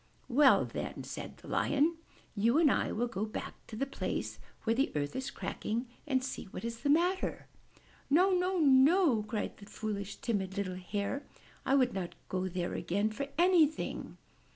''Well then/' said the Lion, *'you and I will go back to the place where the earth is cracking and see what is the matter.*' *'No, no, no!'' cried the foolish, timid, little Hare, "I would not go there again for anything."